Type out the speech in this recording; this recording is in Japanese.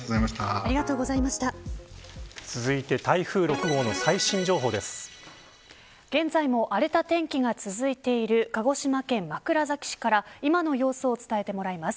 続いて現在も荒れた天気が続いている鹿児島県枕崎市から今の様子を伝えてもらいます。